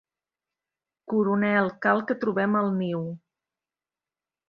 Coronel, cal que trobem el niu.